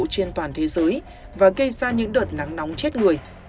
trên toàn thế giới và gây ra những đợt nắng nóng chết người